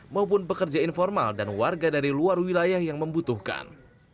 maupun pekerja informal dan warga dari luar wilayah yang membutuhkan